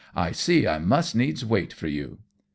I see I must needs wait for you!"